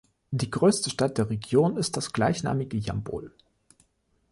Die größte Stadt der Region ist das gleichnamige Jambol.